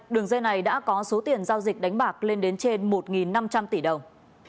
đường dây này đã có số tiền giao dịch đánh bạc lên đến trên một năm trăm linh tỷ đồng